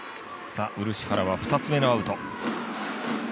漆原は２つ目のアウト。